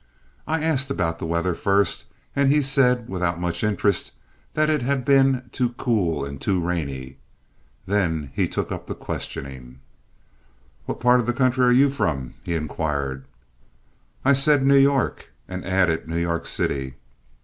I asked about the weather first, and he said, without much interest, that it had been too cool and too rainy. Then he took up the questioning. "What part of the country are you from?" he inquired. I said New York, and added New York City.